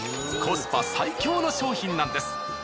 コスパ最強の商品なんです。